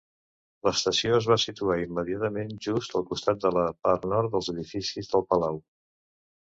L"estació es va situar immediatament just al costat de la part nord dels edificis del palau.